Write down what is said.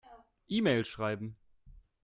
E-Mail schreiben.